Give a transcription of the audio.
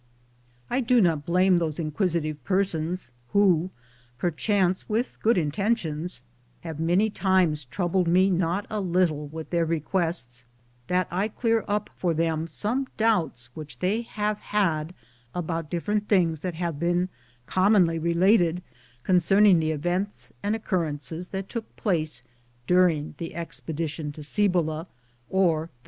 I do not blame those inquisitive persons who, perchance with good intentions, have many times troubled me not a little with their requests that I clear up for them some doubts which they have had about different tilings that have been commonly related con cerning the events and occurrences that took place during the expedition to Cibola, or the